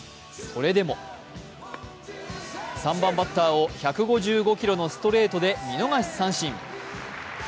それでも、３番バッターを１５５キロのストレートで見逃し三振。